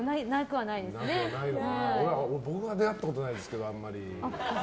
僕は出会ったことないですけどあんまり。